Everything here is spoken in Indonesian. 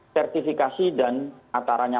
sertifikasi dan atarannya